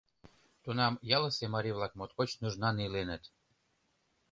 Тунам ялысе марий-влак моткоч нужнан иленыт.